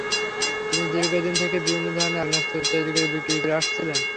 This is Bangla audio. তিনি দীর্ঘদিন থেকে বিভিন্ন ধরনের আগ্নেয়াস্ত্র তৈরি করে বিক্রি করে আসছিলেন।